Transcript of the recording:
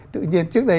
tự nhiên trước đấy